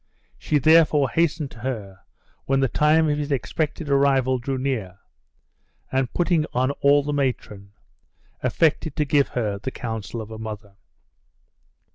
She therefore hastened to her when the time of his expected arrival drew near; and putting on all the matron, affected to give her the counsel of a mother.